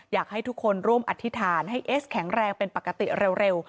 อยากให้ทุกคนร่วมอธิษฐานให้เอสแข็งแรงเป็นปกติเร็ว